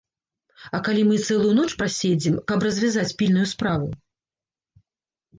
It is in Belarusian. А калі мы і цэлую ноч праседзім, каб развязаць пільную справу?